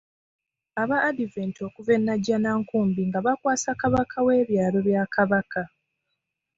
Aba adiventi okuva e Najjanankumbi nga bakwasa Kabaka W'ebyaalo bya Kabaka.